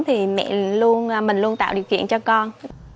thì mẹ mình luôn tạo điều kiện cho con